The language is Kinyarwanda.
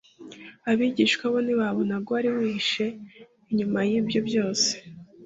abigishwa bo ntibabonaga uwari yihishe inyuma y’ibyo byose